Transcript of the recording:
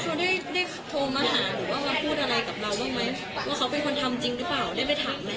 เขาได้โทรมาหาหรือว่ามาพูดอะไรกับเราบ้างไหมว่าเขาเป็นคนทำจริงหรือเปล่าได้ไปถามอะไร